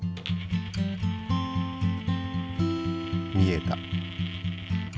見えた。